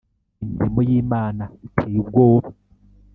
imirimo y’imana iteye ubwoba